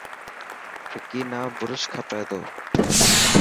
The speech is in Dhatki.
وڪي نا برش کپي تو.